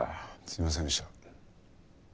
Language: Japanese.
すいませんでした。